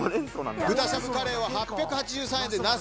豚しゃぶカレーは８８３円でなす